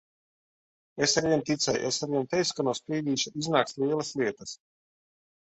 Es arvien ticēju! Es arvien teicu, ka no Sprīdīša iznāks lielas lietas.